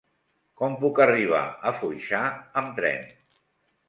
Com puc arribar a Foixà amb tren?